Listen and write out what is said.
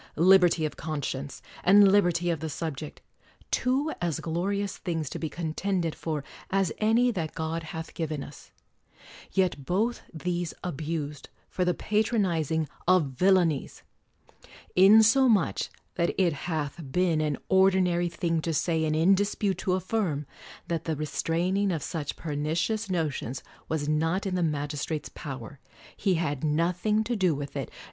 Liberty of conscience, and liberty of the subject, — two as glorious things to be con tended for as any that God hath given us; yet both these abused for the patronizing of villain ies ! insomuch that it hath been an ordinary thing to say, and in dispute to affirm, "that the re straining of such pernicious notions was not in the magistrate's power; he had nothing to do with it.